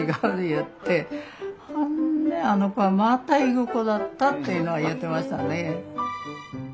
言ってほんねあの子はまた行く子だった」っていうのは言ってましたね。